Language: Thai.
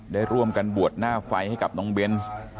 ได้ร่วมกันบวชหน้าไฟให้กับน้องเบนส์